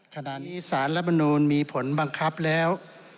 ขณะนี้สารรัฐมนูลมีผลบังคับแล้ว